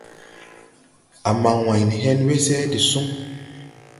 A man wāy ne hen wese de sun.